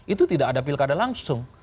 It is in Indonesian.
itu tidak ada pilkada langsung